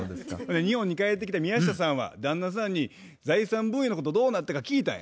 日本に帰ってきた宮下さんは旦那さんに財産分与のことどうなったか聞いたんや。